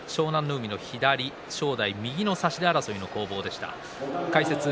海の左正代の右の争いの攻防でした。